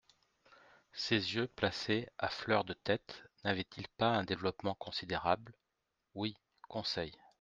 —Ses yeux, placés à fleur de tête, n'avaient-ils pas un développement considérable ? —Oui, Conseil.